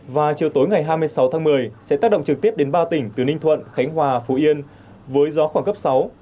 và chiều tối ngày hai mươi sáu tháng một mươi sẽ tác động trực tiếp đến ba tỉnh từ ninh thuận khánh hòa phú yên với gió khoảng cấp sáu